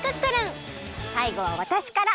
さいごはわたしから。